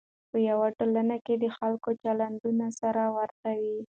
په یوه ټولنه کې د خلکو چلندونه سره ورته وي.